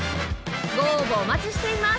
ご応募お待ちしています！